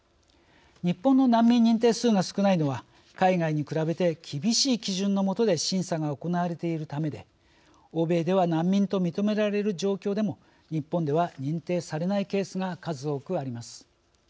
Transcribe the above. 日本の難民認定数が少ないのは海外に比べて厳しい基準の下で審査が行われているためで欧米では難民と認められる状況でも日本では認定されないケースが数多くあります。